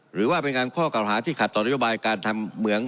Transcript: หรือว่าเป็นการข้อเก่าหาที่ขัดต่อนโยบายการทำเหมือง